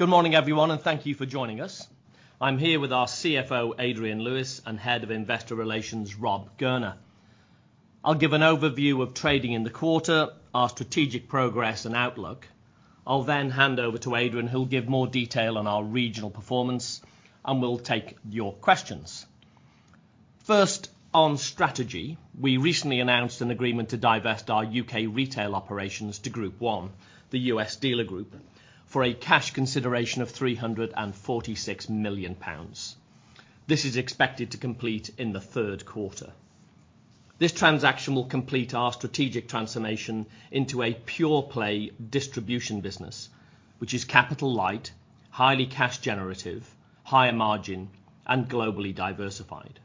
Good morning, everyone, and thank you for joining us. I'm here with our CFO, Adrian Lewis, and Head of Investor Relations, Rob Gurner. I'll give an overview of trading in the quarter, our strategic progress and outlook. I'll then hand over to Adrian, who'll give more detail on our regional performance, and we'll take your questions. First, on strategy: we recently announced an agreement to divest our U.K. retail operations to Group 1, the U.S. dealer group, for a cash consideration of 346 million pounds. This is expected to complete in the third quarter. This transaction will complete our strategic transformation into a pure-play distribution business, which is capital-light, highly cash-generative, higher margin, and globally diversified.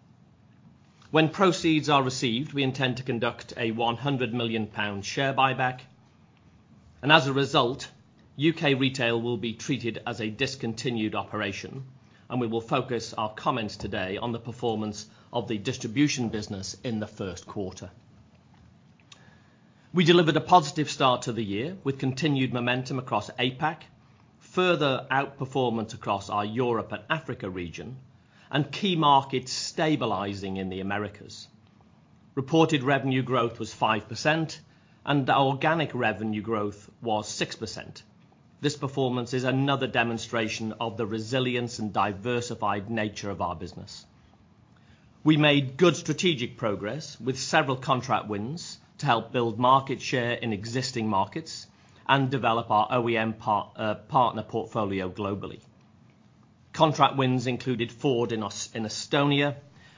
When proceeds are received, we intend to conduct a 100 million pound share buyback. As a result, U.K. retail will be treated as a discontinued operation, and we will focus our comments today on the performance of the distribution business in the first quarter. We delivered a positive start to the year with continued momentum across APAC, further outperformance across our Europe and Africa region, and key markets stabilizing in the Americas. Reported revenue growth was 5%, and our organic revenue growth was 6%. This performance is another demonstration of the resilience and diversified nature of our business. We made good strategic progress with several contract wins to help build market share in existing markets and develop our OEM partner portfolio globally. Contract wins included Ford in Estonia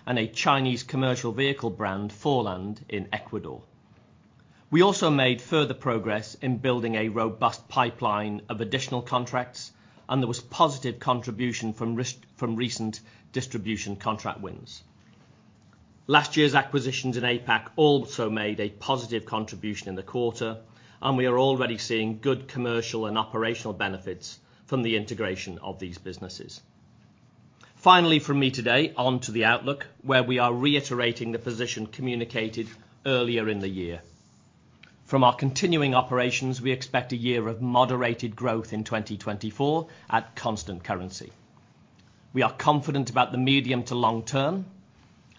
and a Chinese commercial vehicle brand, Forland, in Ecuador. We also made further progress in building a robust pipeline of additional contracts, and there was positive contribution from recent distribution contract wins. Last year's acquisitions in APAC also made a positive contribution in the quarter, and we are already seeing good commercial and operational benefits from the integration of these businesses. Finally, from me today, on to the outlook, where we are reiterating the position communicated earlier in the year. From our continuing operations, we expect a year of moderated growth in 2024 at constant currency. We are confident about the medium to long term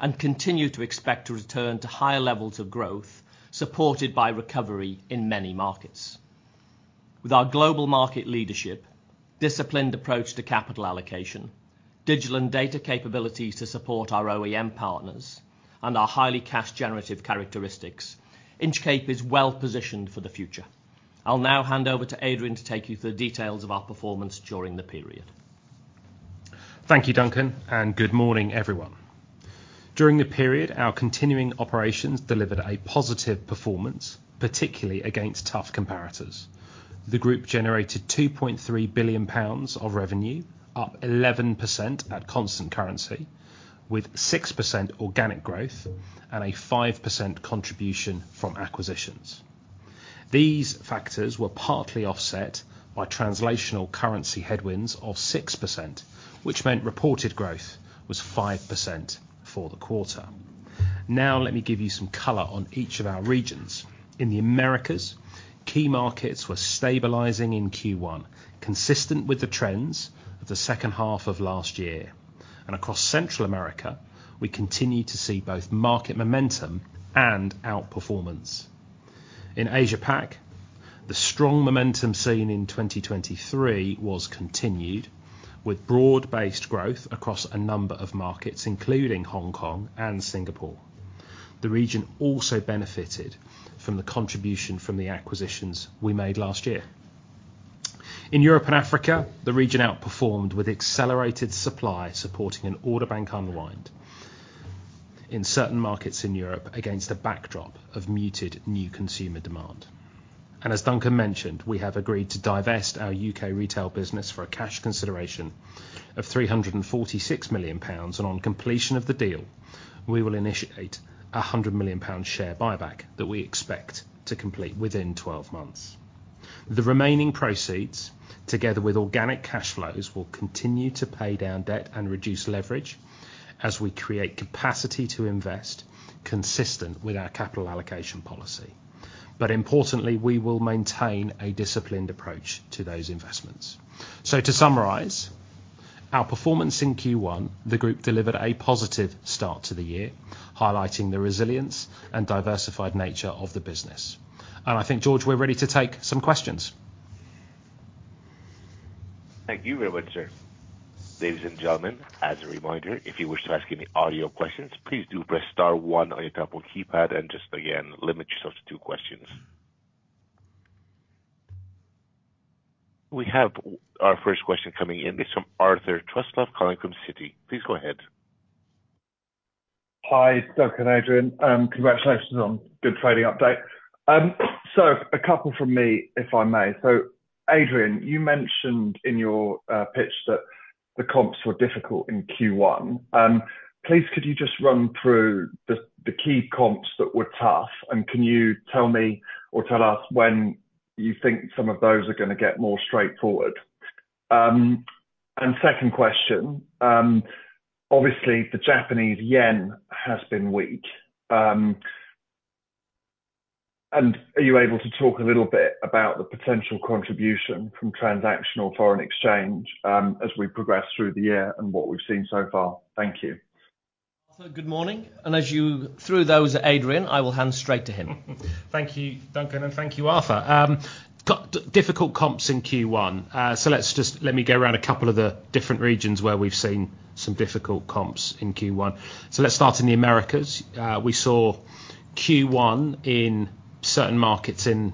and continue to expect to return to higher levels of growth supported by recovery in many markets. With our global market leadership, disciplined approach to capital allocation, digital and data capabilities to support our OEM partners, and our highly cash-generative characteristics, Inchcape is well positioned for the future. I'll now hand over to Adrian to take you through the details of our performance during the period. Thank you, Duncan, and good morning, everyone. During the period, our continuing operations delivered a positive performance, particularly against tough comparators. The group generated 2.3 billion pounds of revenue, up 11% at constant currency, with 6% organic growth and a 5% contribution from acquisitions. These factors were partly offset by translational currency headwinds of 6%, which meant reported growth was 5% for the quarter. Now let me give you some color on each of our regions. In the Americas, key markets were stabilizing in Q1, consistent with the trends of the second half of last year. Across Central America, we continue to see both market momentum and outperformance. In Asia-Pac, the strong momentum seen in 2023 was continued, with broad-based growth across a number of markets, including Hong Kong and Singapore. The region also benefited from the contribution from the acquisitions we made last year. In Europe and Africa, the region outperformed with accelerated supply supporting an order bank unwind in certain markets in Europe against a backdrop of muted new consumer demand. As Duncan mentioned, we have agreed to divest our U.K. retail business for a cash consideration of 346 million pounds, and on completion of the deal, we will initiate a 100 million pound share buyback that we expect to complete within 12 months. The remaining proceeds, together with organic cash flows, will continue to pay down debt and reduce leverage as we create capacity to invest consistent with our capital allocation policy. Importantly, we will maintain a disciplined approach to those investments. To summarize, our performance in Q1, the group delivered a positive start to the year, highlighting the resilience and diversified nature of the business. I think, George, we're ready to take some questions. Thank you very much, sir. Ladies and gentlemen, as a reminder, if you wish to ask any audio questions, please do press star one on your top of the keypad and just, again, limit yourself to two questions. We have our first question coming in. It's from Arthur Truslove calling from Citi. Please go ahead. Hi, Duncan and Adrian. Congratulations on good trading update. So a couple from me, if I may. So Adrian, you mentioned in your pitch that the comps were difficult in Q1. Please, could you just run through the key comps that were tough, and can you tell me or tell us when you think some of those are going to get more straightforward? And second question, obviously, the Japanese yen has been weak. And are you able to talk a little bit about the potential contribution from transactional foreign exchange as we progress through the year and what we've seen so far? Thank you. Arthur, good morning. As you threw those, Adrian, I will hand straight to him. Thank you, Duncan, and thank you, Arthur. Difficult comps in Q1. So let me go around a couple of the different regions where we've seen some difficult comps in Q1. So let's start in the Americas. We saw Q1 in certain markets in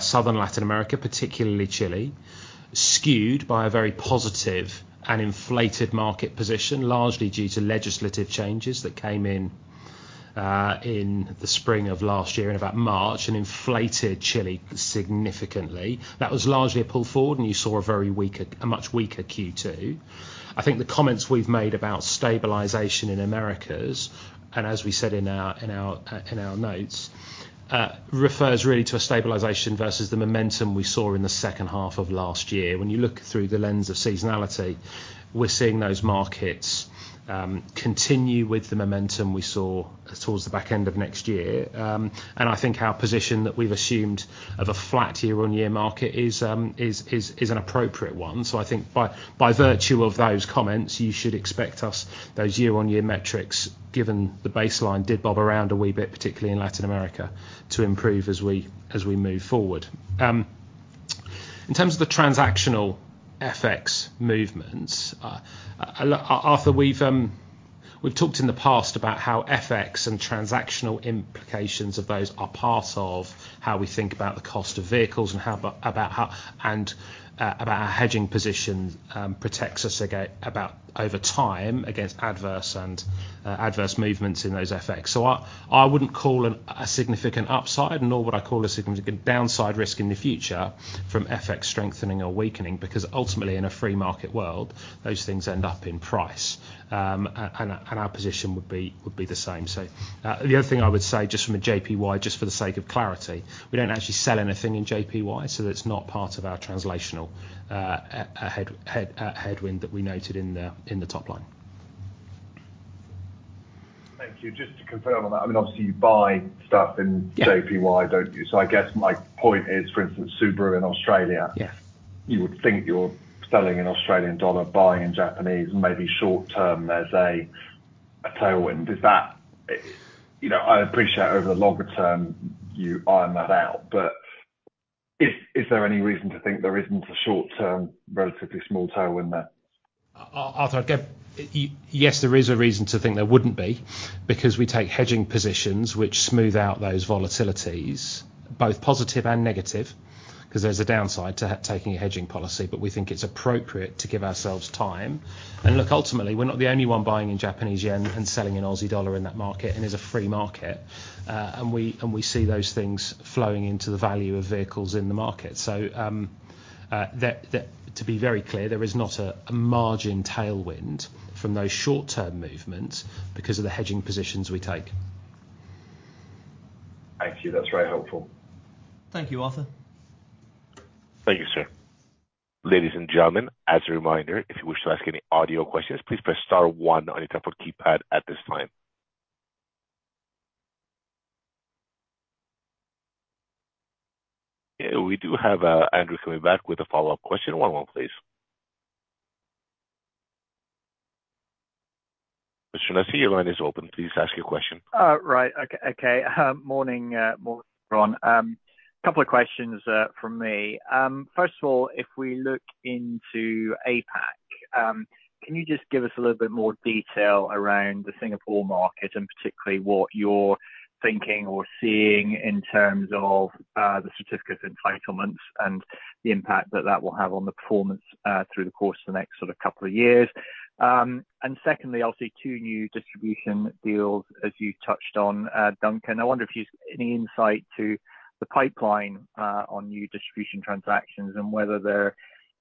Southern Latin America, particularly Chile, skewed by a very positive and inflated market position, largely due to legislative changes that came in the spring of last year, in about March, and inflated Chile significantly. That was largely a pull forward, and you saw a much weaker Q2. I think the comments we've made about stabilization in Americas, and as we said in our notes, refers really to a stabilization versus the momentum we saw in the second half of last year. When you look through the lens of seasonality, we're seeing those markets continue with the momentum we saw towards the back end of next year. I think our position that we've assumed of a flat year-on-year market is an appropriate one. I think by virtue of those comments, you should expect us, those year-on-year metrics, given the baseline did bob around a wee bit, particularly in Latin America, to improve as we move forward. In terms of the transactional FX movements, Arthur, we've talked in the past about how FX and transactional implications of those are part of how we think about the cost of vehicles and about how our hedging position protects us over time against adverse movements in those FX. I wouldn't call a significant upside nor would I call a significant downside risk in the future from FX strengthening or weakening, because ultimately, in a free market world, those things end up in price, and our position would be the same. So the other thing I would say, just from a JPY, just for the sake of clarity, we don't actually sell anything in JPY, so that's not part of our translational headwind that we noted in the top line. Thank you. Just to confirm on that, I mean, obviously, you buy stuff in JPY, don't you? So I guess my point is, for instance, Subaru in Australia, you would think you're selling in Australian dollar, buying in Japanese, and maybe short-term there's a tailwind. I appreciate over the longer term you iron that out, but is there any reason to think there isn't a short-term, relatively small tailwind there? Arthur, yes, there is a reason to think there wouldn't be, because we take hedging positions, which smooth out those volatilities, both positive and negative, because there's a downside to taking a hedging policy, but we think it's appropriate to give ourselves time. And look, ultimately, we're not the only one buying in Japanese yen and selling in Aussie dollar in that market, and it's a free market, and we see those things flowing into the value of vehicles in the market. So to be very clear, there is not a margin tailwind from those short-term movements because of the hedging positions we take. Thank you. That's very helpful. Thank you, Arthur. Thank you, sir. Ladies and gentlemen, as a reminder, if you wish to ask any audio questions, please press star one on your top of the keypad at this time. We do have Andrew coming back with a follow-up question. One moment, please. Mr. Nussey, your line is open. Please ask your question. Right. Okay. Morning. A couple of questions from me. First of all, if we look into APAC, can you just give us a little bit more detail around the Singapore market and particularly what you're thinking or seeing in terms of the certificates of entitlement and the impact that that will have on the performance through the course of the next sort of couple of years? And secondly, I see two new distribution deals, as you touched on, Duncan. I wonder if you've got any insight to the pipeline on new distribution transactions and whether there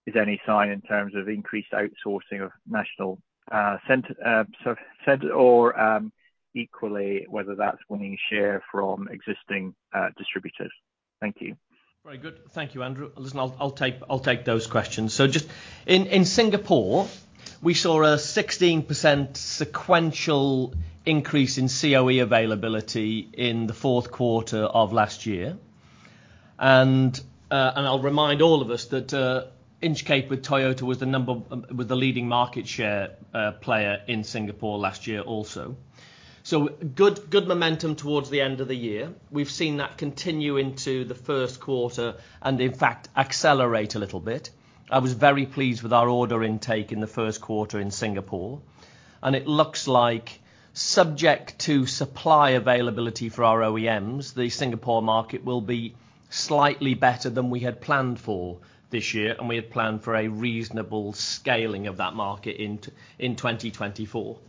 is any sign in terms of increased outsourcing of national or equally whether that's winning share from existing distributors. Thank you. Very good. Thank you, Andrew. Listen, I'll take those questions. So in Singapore, we saw a 16% sequential increase in COE availability in the fourth quarter of last year. And I'll remind all of us that Inchcape with Toyota was the leading market share player in Singapore last year also. So good momentum towards the end of the year. We've seen that continue into the first quarter and, in fact, accelerate a little bit. I was very pleased with our order intake in the first quarter in Singapore. And it looks like, subject to supply availability for our OEMs, the Singapore market will be slightly better than we had planned for this year, and we had planned for a reasonable scaling of that market in 2024.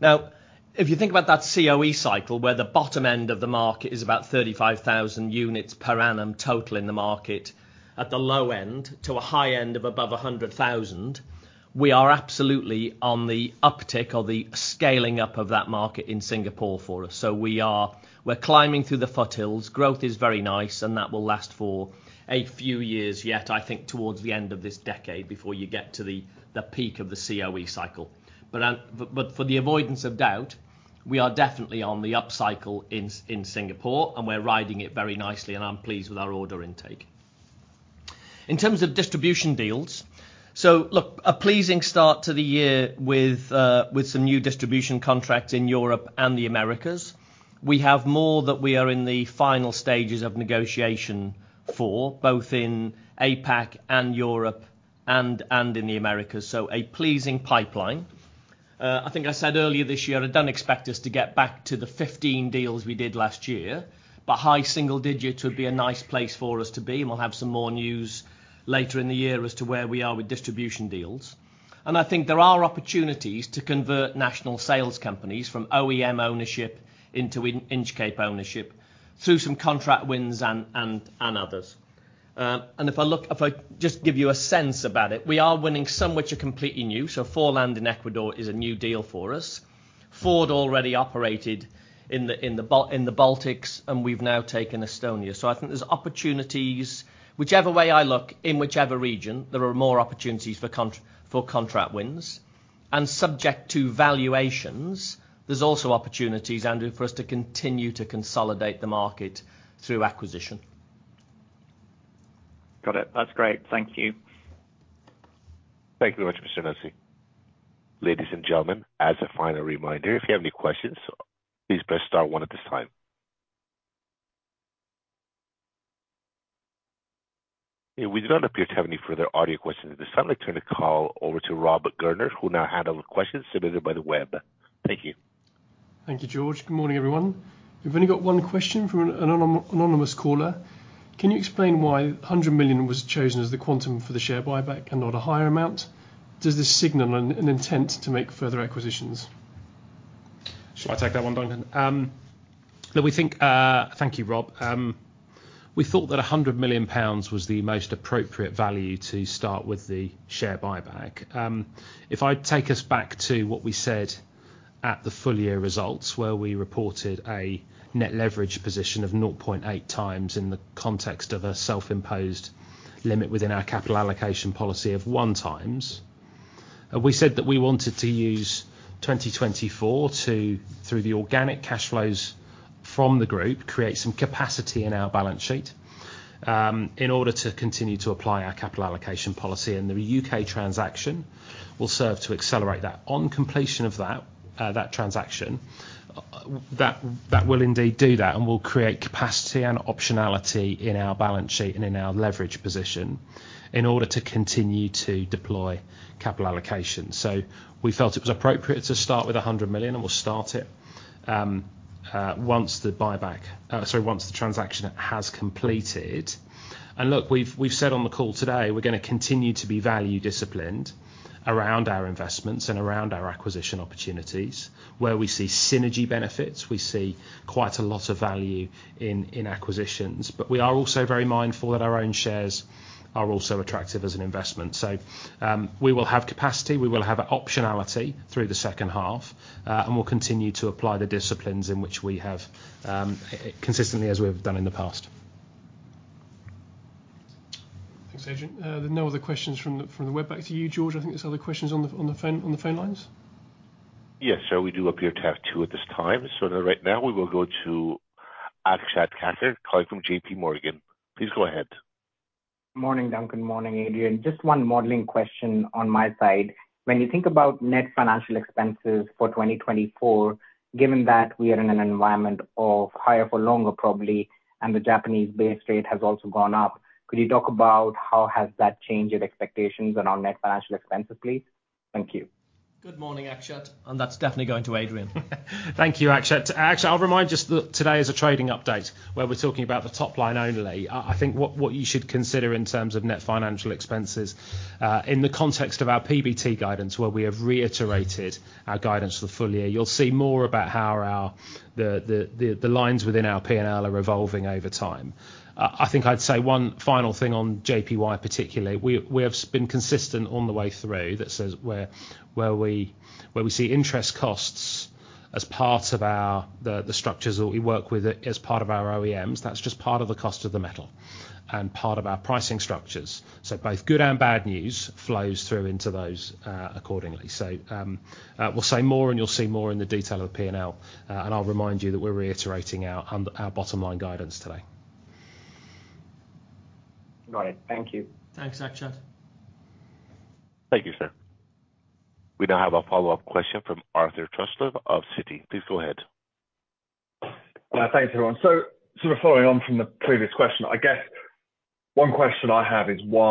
Now, if you think about that COE cycle, where the bottom end of the market is about 35,000 units per annum total in the market, at the low end to a high end of above 100,000, we are absolutely on the uptick or the scaling up of that market in Singapore for us. So we're climbing through the foothills. Growth is very nice, and that will last for a few years yet, I think, towards the end of this decade before you get to the peak of the COE cycle. But for the avoidance of doubt, we are definitely on the upcycle in Singapore, and we're riding it very nicely, and I'm pleased with our order intake. In terms of distribution deals, so look, a pleasing start to the year with some new distribution contracts in Europe and the Americas. We have more that we are in the final stages of negotiation for, both in APAC and Europe and in the Americas. So a pleasing pipeline. I think I said earlier this year I don't expect us to get back to the 15 deals we did last year, but high single digits would be a nice place for us to be, and we'll have some more news later in the year as to where we are with distribution deals. And I think there are opportunities to convert national sales companies from OEM ownership into Inchcape ownership through some contract wins and others. And if I just give you a sense about it, we are winning some which are completely new. So Forland in Ecuador is a new deal for us. Ford already operated in the Baltics, and we've now taken Estonia. So I think there's opportunities, whichever way I look, in whichever region, there are more opportunities for contract wins. And subject to valuations, there's also opportunities, Andrew, for us to continue to consolidate the market through acquisition. Got it. That's great. Thank you. Thank you very much, Mr. Nussey. Ladies and gentlemen, as a final reminder, if you have any questions, please press star one at this time. We do not appear to have any further audio questions at this time. Let me turn the call over to Robert Gurner, who now handles questions submitted by the web. Thank you. Thank you, George. Good morning, everyone. We've only got one question from an anonymous caller. Can you explain why 100 million was chosen as the quantum for the share buyback and not a higher amount? Does this signal an intent to make further acquisitions? Shall I take that one, Duncan? Look, we think. Thank you, Rob. We thought that 100 million pounds was the most appropriate value to start with the share buyback. If I take us back to what we said at the full-year results, where we reported a net leverage position of 0.8 times in the context of a self-imposed limit within our capital allocation policy of one times, we said that we wanted to use 2024 to, through the organic cash flows from the group, create some capacity in our balance sheet in order to continue to apply our capital allocation policy. And the U.K. transaction will serve to accelerate that. On completion of that transaction, that will indeed do that and will create capacity and optionality in our balance sheet and in our leverage position in order to continue to deploy capital allocation. So we felt it was appropriate to start with 100 million, and we'll start it once the buyback sorry, once the transaction has completed. And look, we've said on the call today we're going to continue to be value-disciplined around our investments and around our acquisition opportunities, where we see synergy benefits. We see quite a lot of value in acquisitions, but we are also very mindful that our own shares are also attractive as an investment. So we will have capacity. We will have optionality through the second half, and we'll continue to apply the disciplines in which we have consistently, as we have done in the past. Thanks, Adrian. No other questions from the web back to you, George. I think that's all the questions on the phone lines. Yes, sir. We do appear to have two at this time. Right now, we will go to Akshat Kacker calling from JPMorgan. Please go ahead. Morning, Duncan. Morning, Adrian. Just one modeling question on my side. When you think about net financial expenses for 2024, given that we are in an environment of higher for longer, probably, and the Japanese base rate has also gone up, could you talk about how has that changed expectations around net financial expenses, please? Thank you. Good morning, Akshat. That's definitely going to Adrian. Thank you, Akshat. Actually, I'll remind just that today is a trading update where we're talking about the top line only. I think what you should consider in terms of net financial expenses in the context of our PBT guidance, where we have reiterated our guidance for the full year. You'll see more about how the lines within our P&L are evolving over time. I think I'd say one final thing on JPY particularly. We have been consistent on the way through that says where we see interest costs as part of the structures that we work with as part of our OEMs, that's just part of the cost of the metal and part of our pricing structures. So both good and bad news flows through into those accordingly. So we'll say more, and you'll see more in the detail of the P&L. I'll remind you that we're reiterating our bottom line guidance today. Got it. Thank you. Thanks, Akshat. Thank you, sir. We now have a follow-up question from Arthur Truslove of Citi. Please go ahead. Thanks, everyone. So sort of following on from the previous question, I guess one question I have is what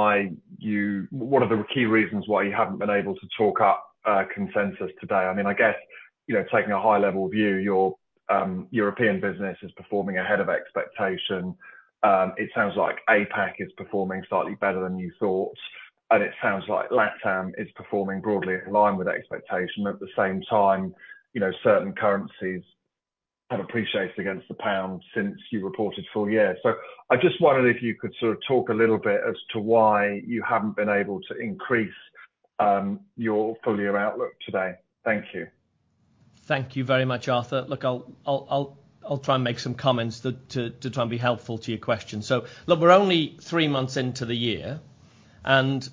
are the key reasons why you haven't been able to talk up consensus today? I mean, I guess, taking a high-level view, your European business is performing ahead of expectation. It sounds like APAC is performing slightly better than you thought, and it sounds like LATAM is performing broadly in line with expectation. At the same time, certain currencies have appreciated against the pound since you reported full year. So I just wondered if you could sort of talk a little bit as to why you haven't been able to increase your full-year outlook today. Thank you. Thank you very much, Arthur. Look, I'll try and make some comments to try and be helpful to your question. So look, we're only three months into the year, and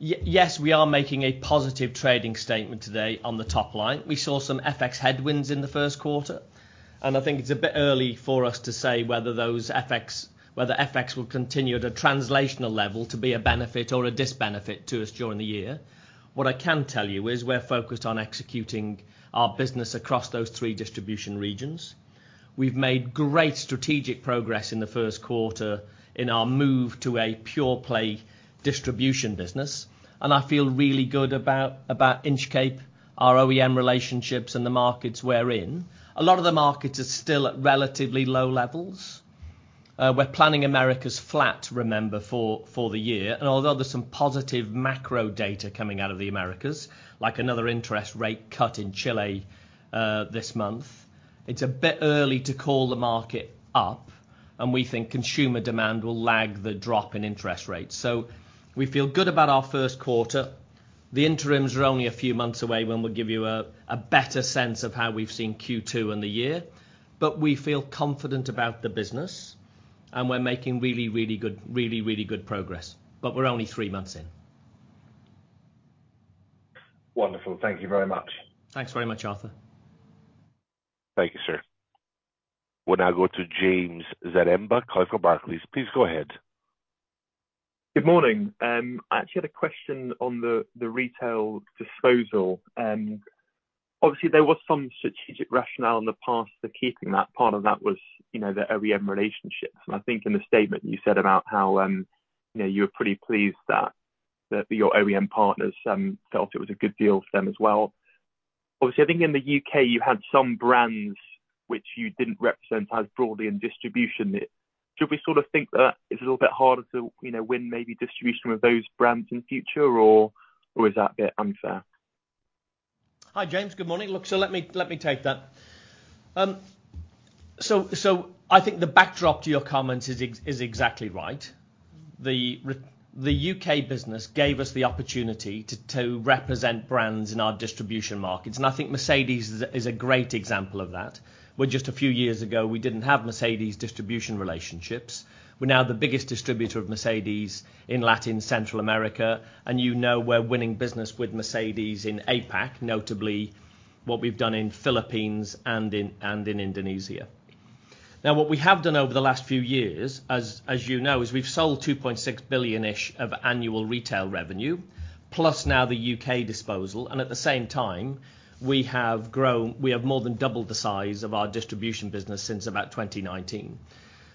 yes, we are making a positive trading statement today on the top line. We saw some FX headwinds in the first quarter, and I think it's a bit early for us to say whether FX will continue at a translational level to be a benefit or a disbenefit to us during the year. What I can tell you is we're focused on executing our business across those three distribution regions. We've made great strategic progress in the first quarter in our move to a pure-play distribution business, and I feel really good about Inchcape, our OEM relationships, and the markets we're in. A lot of the markets are still at relatively low levels. We're planning Americas flat, remember, for the year. Although there's some positive macro data coming out of the Americas, like another interest rate cut in Chile this month, it's a bit early to call the market up, and we think consumer demand will lag the drop in interest rates. We feel good about our first quarter. The interims are only a few months away when we'll give you a better sense of how we've seen Q2 and the year. We feel confident about the business, and we're making really, really good really, really good progress. We're only three months in. Wonderful. Thank you very much. Thanks very much, Arthur. Thank you, sir. We'll now go to James Zaremba, Barclays. Please go ahead. Good morning. I actually had a question on the retail disposal. Obviously, there was some strategic rationale in the past for keeping that. Part of that was the OEM relationships. I think in the statement you said about how you were pretty pleased that your OEM partners felt it was a good deal for them as well. Obviously, I think in the U.K., you had some brands which you didn't represent as broadly in distribution. Should we sort of think that it's a little bit harder to win maybe distribution with those brands in the future, or is that a bit unfair? Hi, James. Good morning. Look, so let me take that. So I think the backdrop to your comments is exactly right. The U.K. business gave us the opportunity to represent brands in our distribution markets, and I think Mercedes is a great example of that. Where just a few years ago, we didn't have Mercedes distribution relationships. We're now the biggest distributor of Mercedes in Latin Central America, and you know we're winning business with Mercedes in APAC, notably what we've done in Philippines and in Indonesia. Now, what we have done over the last few years, as you know, is we've sold 2.6 billion-ish of annual retail revenue, plus now the U.K. disposal. And at the same time, we have more than doubled the size of our distribution business since about 2019.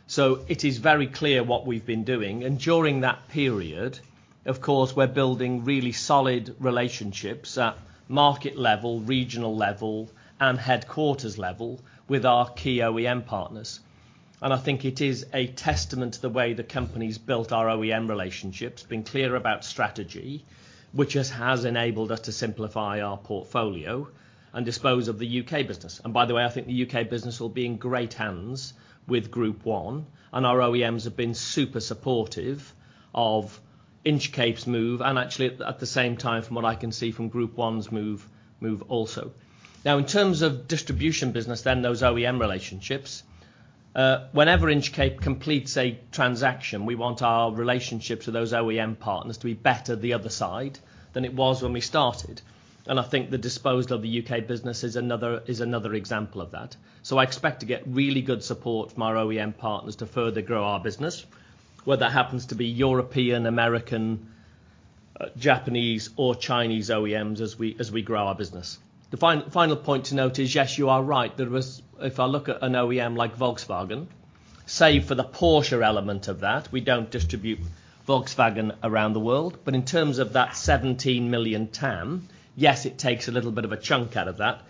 So it is very clear what we've been doing. And during that period, of course, we're building really solid relationships at market level, regional level, and headquarters level with our key OEM partners. And I think it is a testament to the way the company's built our OEM relationships, been clear about strategy, which has enabled us to simplify our portfolio and dispose of the U.K. business. And by the way, I think the U.K. business will be in great hands with Group 1, and our OEMs have been super supportive of Inchcape's move, and actually, at the same time, from what I can see from Group 1's move also. Now, in terms of distribution business, then those OEM relationships, whenever Inchcape completes a transaction, we want our relationships with those OEM partners to be better the other side than it was when we started. And I think the disposal of the U.K. business is another example of that. So I expect to get really good support from our OEM partners to further grow our business, whether that happens to be European, American, Japanese, or Chinese OEMs as we grow our business. The final point to note is, yes, you are right. If I look at an OEM like Volkswagen, save for the Porsche element of that, we don't distribute Volkswagen around the world. But in terms of that 17 million TAM, yes, it takes a little bit of a chunk out of that,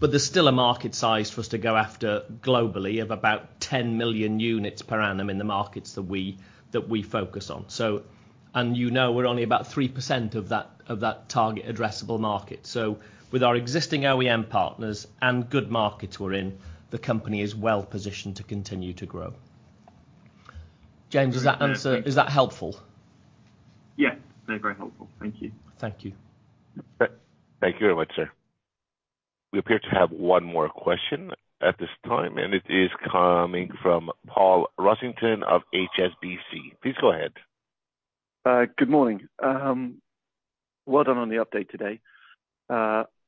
but there's still a market size for us to go after globally of about 10 million units per annum in the markets that we focus on. And you know we're only about 3% of that target addressable market. So with our existing OEM partners and good markets we're in, the company is well positioned to continue to grow. James, is that helpful? Yes. They're very helpful. Thank you. Thank you. Thank you very much, sir. We appear to have one more question at this time, and it is coming from Paul Rossington of HSBC. Please go ahead. Good morning. Well done on the update today.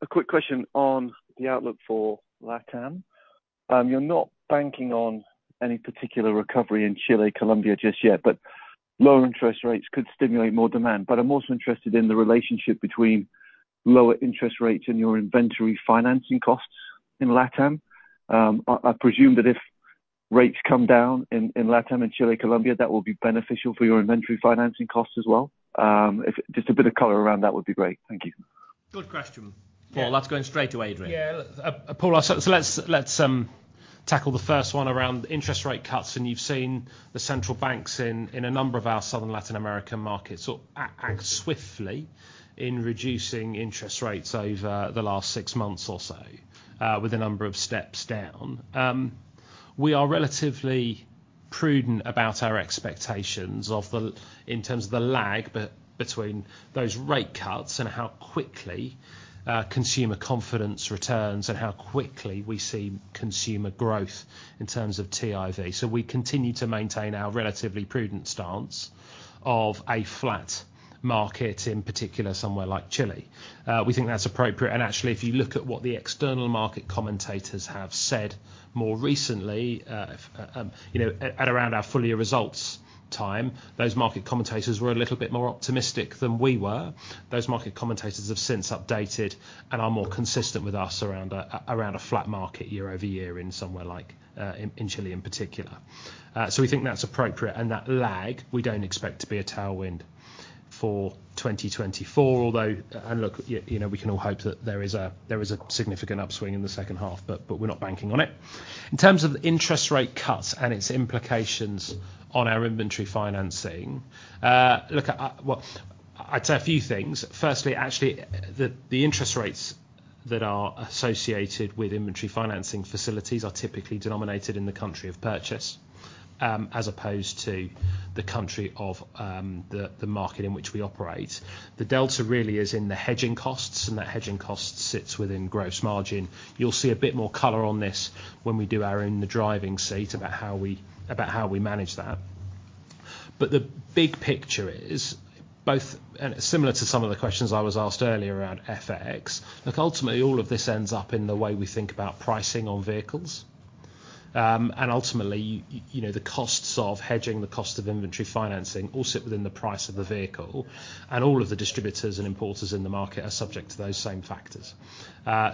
A quick question on the outlook for LATAM. You're not banking on any particular recovery in Chile, Colombia just yet, but lower interest rates could stimulate more demand. But I'm also interested in the relationship between lower interest rates and your inventory financing costs in LATAM. I presume that if rates come down in LATAM and Chile, Colombia, that will be beneficial for your inventory financing costs as well. Just a bit of color around that would be great. Thank you. Good question. Paul, that's going straight to Adrian. Yeah. Paul, so let's tackle the first one around interest rate cuts. You've seen the central banks in a number of our Southern Latin American markets act swiftly in reducing interest rates over the last six months or so with a number of steps down. We are relatively prudent about our expectations in terms of the lag between those rate cuts and how quickly consumer confidence returns and how quickly we see consumer growth in terms of TIV. So we continue to maintain our relatively prudent stance of a flat market, in particular, somewhere like Chile. We think that's appropriate. Actually, if you look at what the external market commentators have said more recently, at around our full-year results time, those market commentators were a little bit more optimistic than we were. Those market commentators have since updated and are more consistent with us around a flat market year over year in somewhere like in Chile, in particular. So we think that's appropriate, and that lag, we don't expect to be a tailwind for 2024, although and look, we can all hope that there is a significant upswing in the second half, but we're not banking on it. In terms of interest rate cuts and its implications on our inventory financing, look, I'd say a few things. Firstly, actually, the interest rates that are associated with inventory financing facilities are typically denominated in the country of purchase as opposed to the country of the market in which we operate. The delta really is in the hedging costs, and that hedging cost sits within gross margin. You'll see a bit more color on this when we do our own In the Driving Seat about how we manage that. But the big picture is, similar to some of the questions I was asked earlier around FX, look, ultimately, all of this ends up in the way we think about pricing on vehicles. And ultimately, the costs of hedging, the cost of inventory financing all sit within the price of the vehicle, and all of the distributors and importers in the market are subject to those same factors.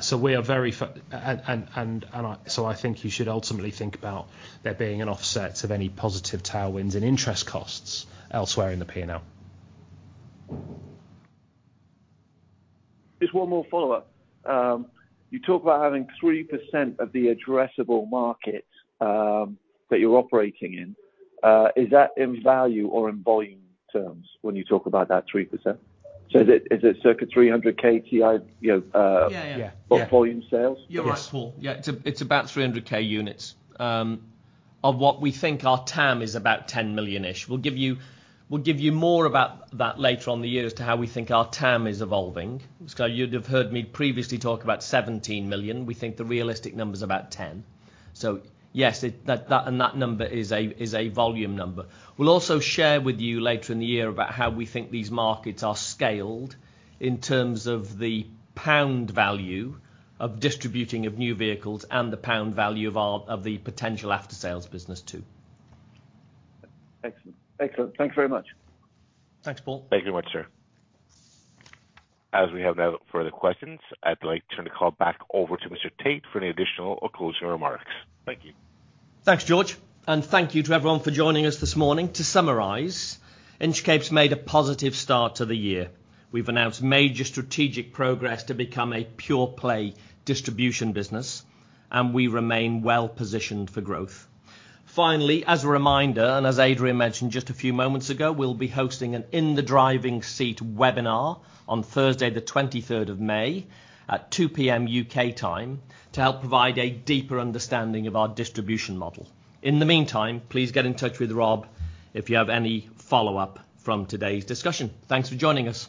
So we are very and so I think you should ultimately think about there being an offset of any positive tailwinds in interest costs elsewhere in the P&L. Just one more follow-up. You talk about having 3% of the addressable market that you're operating in. Is that in value or in volume terms when you talk about that 3%? So is it circa 300,000 TIV volume sales? Yeah, yeah. Yeah. Yes, Paul. Yeah. It's about 300,000 units. Of what we think our TAM is about 10 million-ish. We'll give you more about that later in the year as to how we think our TAM is evolving. You'd have heard me previously talk about 17 million. We think the realistic number's about 10. So yes, and that number is a volume number. We'll also share with you later in the year about how we think these markets are scaled in terms of the GBP value of distributing of new vehicles and the GBP value of the potential after-sales business too. Excellent. Excellent. Thanks very much. Thanks, Paul. Thank you very much, sir. As we have no further questions, I'd like to turn the call back over to Mr. Tait for any additional or closing remarks. Thank you. Thanks, George. Thank you to everyone for joining us this morning. To summarize, Inchcape's made a positive start to the year. We've announced major strategic progress to become a pure-play distribution business, and we remain well positioned for growth. Finally, as a reminder, and as Adrian mentioned just a few moments ago, we'll be hosting an In the Driving Seat webinar on Thursday, the 23rd of May, at 2:00 P.M. U.K. time to help provide a deeper understanding of our distribution model. In the meantime, please get in touch with Rob if you have any follow-up from today's discussion. Thanks for joining us.